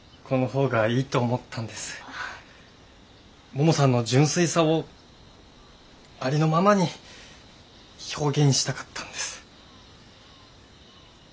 ももさんの純粋さをありのままに表現したかったんです。